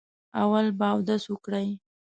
اول به اودس وکړئ.